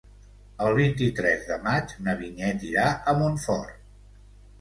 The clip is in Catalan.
El vint-i-tres de maig na Vinyet irà a Montfort.